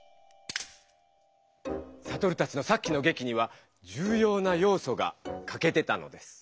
サトルたちのさっきの劇には重要な要素がかけてたのです。